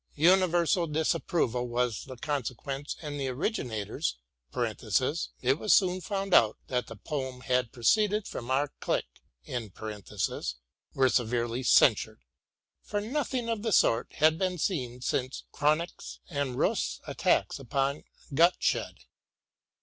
Uni versal disapproval was the consequence, and the originators (it was soon found out that the poem had proceeded from our clique) were severely censured ; for nothing of the sort had been seen since Cronegk's and Rost's attacks upon Gottsched.